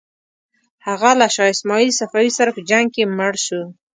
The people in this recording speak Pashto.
هغه له شاه اسماعیل صفوي سره په جنګ کې مړ شو.